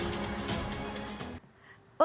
kiflan zain menjadikan kiflan sebagai pembinaan tersebut